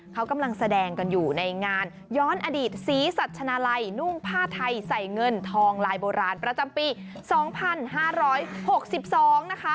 เขากำลังแสดงกันอยู่ในงานย้อนอดีตศรีสัชนาลัยนุ่งผ้าไทยใส่เงินทองลายโบราณประจำปี๒๕๖๒นะคะ